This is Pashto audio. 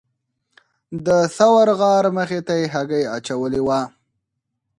د ثور غار مخې ته یې هګۍ اچولې وه.